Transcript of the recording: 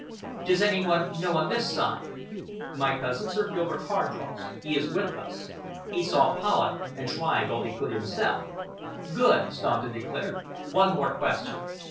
"Does any one know on this side?" "My cousin, Sir Gilbert Hardross. He is with us. He saw Polloch and tried all he could himself." "Good!" Staunton declared. "One more question.